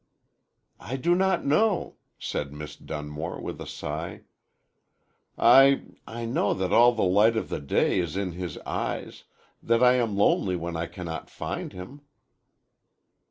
"I do not know," said Miss Dunmore, with a sigh. "I I know that all the light of the day is in his eyes that I am lonely when I cannot find him."